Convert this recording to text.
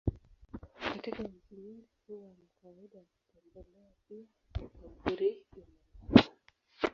Katika nchi nyingi huwa na kawaida ya kutembelea pia makaburi ya marehemu.